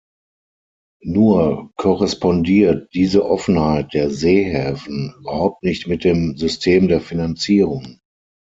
Nur korrespondiert diese Offenheit der Seehäfen überhaupt nicht mit dem System der Finanzierung.